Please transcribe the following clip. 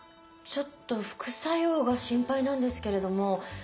ちょっと副作用が心配なんですけれども。